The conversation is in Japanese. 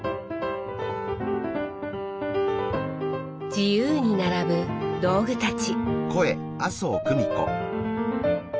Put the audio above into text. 自由に並ぶ道具たち。